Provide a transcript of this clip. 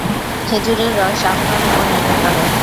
খেজুরের রস আবহাওয়ার উপর নির্ভর করে।